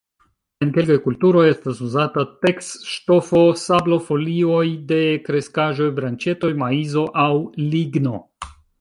En kelkaj kulturoj estas uzata teks-ŝtofo, sablo, folioj de kreskaĵoj, branĉetoj, maizo aŭ ligno.